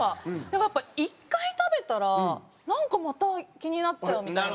でもやっぱ１回食べたらなんかまた気になっちゃうみたいな。